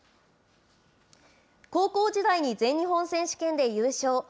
高校時代に全日本選手権で優勝。